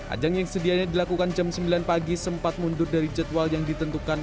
ajang yang sedianya dilakukan jam sembilan pagi sempat mundur dari jadwal yang ditentukan